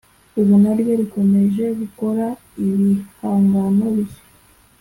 ubu naryo rikomeje gukora ibihangano bishya